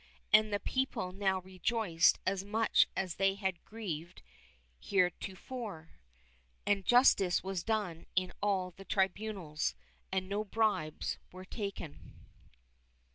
And the people now rejoiced as much as they had grieved heretofore, and justice was done in all the tribunals, and no bribes were taken.